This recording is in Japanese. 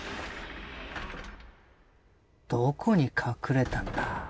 どこに隠れたんだ？